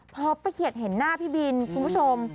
พอป้าเขียดเห็นหน้าพี่บินคุณผู้ชม